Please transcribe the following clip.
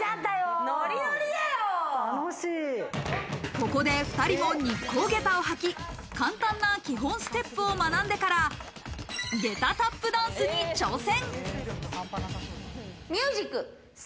ここで２人も日光下駄を履き、簡単な基本ステップを学んでから下駄タップダンスに挑戦。